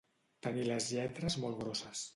Tenir les lletres molt grosses.